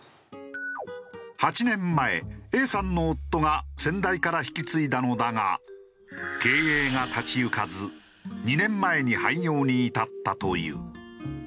８年前Ａさんの夫が先代から引き継いだのだが経営が立ち行かず２年前に廃業に至ったという。